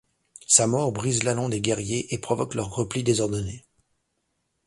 Sa mort brise l'allant des guerriers et provoque leur repli désordonné.